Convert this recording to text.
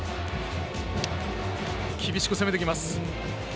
厳しく攻めてきます。